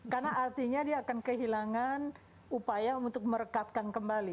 karena artinya dia akan kehilangan upaya untuk merekatkan kembali